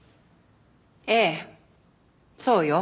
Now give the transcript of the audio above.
ええそうよ。